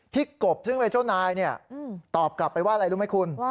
พี่กบซึ่งใบเจ้านายเนี่ยตอบกลับไปว่าอะไรรู้ไหมคุณ